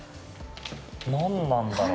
何なんだろう。